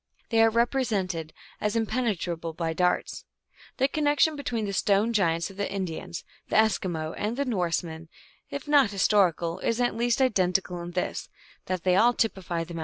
They are represented as impenetrable by darts." The connec tion between the stone giants of the Indians, the Es kimo, and the Norsemen, if not historical, is at least identical in this, that they all typify the mountains.